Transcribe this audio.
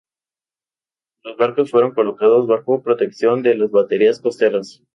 Los barcos fueron colocados bajo protección de las baterías costeras.